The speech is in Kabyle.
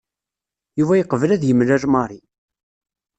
Yuba yeqbel ad yemlal Mary.